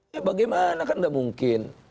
ya bagaimana kan nggak mungkin